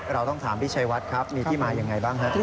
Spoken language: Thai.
เราต้องถามพี่ชัยวัดครับมีที่มายังไงบ้างฮะ